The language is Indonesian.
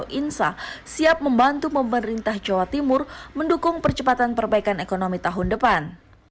insa siap membantu pemerintah jawa timur mendukung percepatan perbaikan ekonomi tahun depan